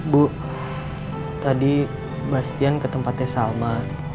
bu tadi mbak istian ke tempatnya salma